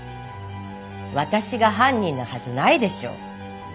私が犯人なはずないでしょ。